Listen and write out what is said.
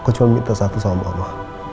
kau cuma minta satu sama mama